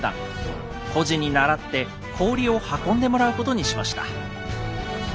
故事に倣って氷を運んでもらうことにしました。